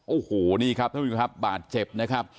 โอ้โหนี่ครับท่านผู้ชมครับบาดเจ็บนะครับ